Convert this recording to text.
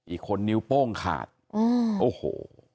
อีกคนนิ้วโป้งขาดอืมโอ้โห